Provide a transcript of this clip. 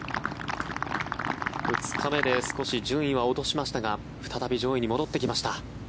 ２日目で少し順位は落としましたが再び上位に戻ってきました。